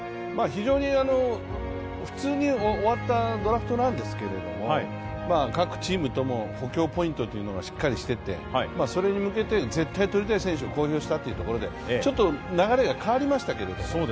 非常に普通に終わったドラフトなんですけど、各チームとも補強ポイントがしっかりしていて、それに向けて絶対取りたい選手を公表したというところで、ちょっと流れが変わりましたね。